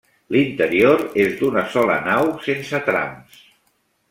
L'interior és d'una sola nau sense trams.